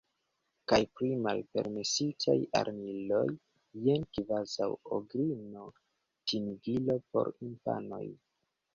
Kaj pri malpermesitaj armiloj – jen kvazaŭ ogrino, timigilo por infanoj.